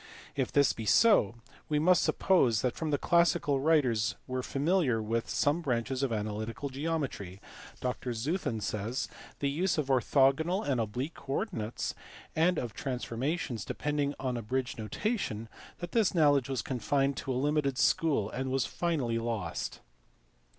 If this be so, we must suppose that the classical writers were familiar with some branches of analytical geometry Dr Zeuthen says APOLLONIUS. 79 the use of orthogonal and oblique coordinates, and of transfor mations depending on abridged notation that this knowledge was confined to a limited school, and was finally lost.